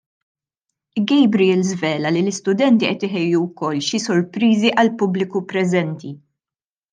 Gabriel żvela li l-istudenti qed iħejju wkoll xi sorpriżi għall-pubbliku preżenti.